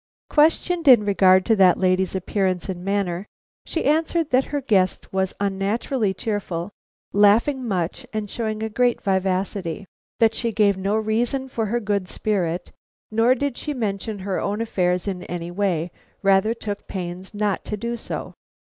Questioned in regard to that lady's appearance and manner, she answered that her guest was unnaturally cheerful, laughing much and showing a great vivacity; that she gave no reason for her good spirits, nor did she mention her own affairs in any way, rather took pains not to do so.